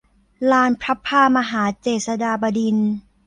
ลานพลับพลามหาเจษฎาบดินทร์